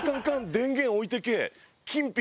電源を置いてけ！